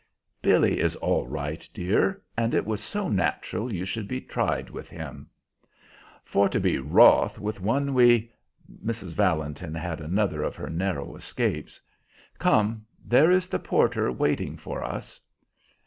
"Billy is all right, dear; and it was so natural you should be tried with him! 'For to be wroth with one we'" Mrs. Valentin had another of her narrow escapes. "Come, there is the porter waiting for us."